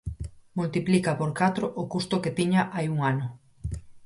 Multiplica por catro o custo que tiña hai un ano.